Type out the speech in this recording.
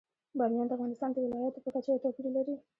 بامیان د افغانستان د ولایاتو په کچه یو توپیر لري.